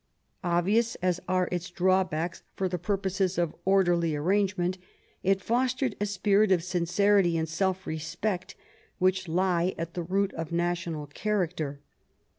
Obvious as are its drawbacks for the purposes of orderly arrangement, 9 I30 QUEEN ELIZABETH. it fostered a spirit of sincerity and self respect which lie at the root of national character.